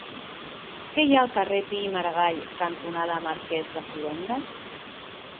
Què hi ha al carrer Pi i Margall cantonada Marquès de Foronda?